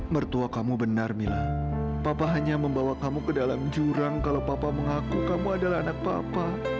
mertua kamu benar mila papa hanya membawa kamu ke dalam jurang kalau papa mengaku kamu adalah anak papa